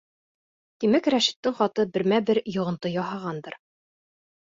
Тимәк, Рәшиттең хаты бермә-бер йоғонто яһағандыр.